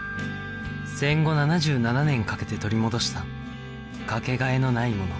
戦後７７年かけて取り戻した掛け替えのないもの